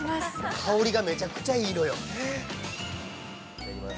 ◆香りがめちゃくちゃいいのよ。